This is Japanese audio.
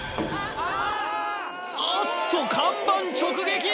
あっと看板直撃！